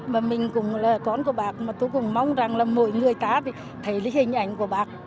mà mình cũng là con của bạc mà tôi cũng mong rằng là mọi người ta thì thấy lý hình ảnh của bạc